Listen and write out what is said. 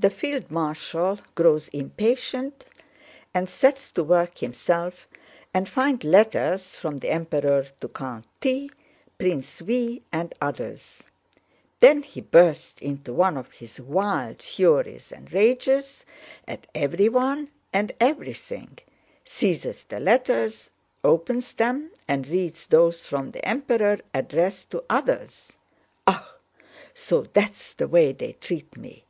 The field marshal grows impatient and sets to work himself and finds letters from the Emperor to Count T., Prince V., and others. Then he bursts into one of his wild furies and rages at everyone and everything, seizes the letters, opens them, and reads those from the Emperor addressed to others. 'Ah! So that's the way they treat me!